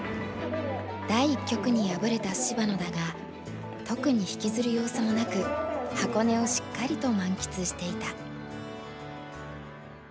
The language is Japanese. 第一局に敗れた芝野だが特に引きずる様子もなく箱根をしっかりと満喫していた。